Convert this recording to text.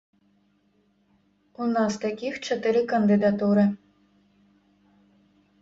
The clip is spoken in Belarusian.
У нас такіх чатыры кандыдатуры.